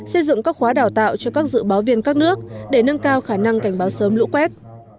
xây dựng các khóa đào tạo cho các dự báo viên các nước để nâng cao khả năng cảnh báo sớm lũ quét